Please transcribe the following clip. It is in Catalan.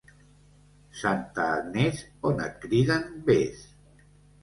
Santa Agnès, on et criden, ves.